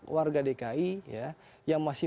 warga dki yang masih